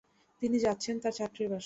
তিনি যাচ্ছেন তাঁর ছাত্রীর বাসায়।